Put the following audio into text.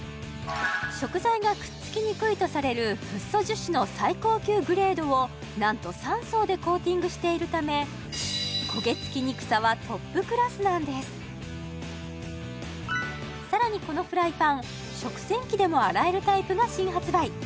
食材がくっつきにくいとされるフッ素樹脂の最高級グレードをなんと３層でコーティングしているためさらにこのフライパン食洗機でも洗えるタイプが新発売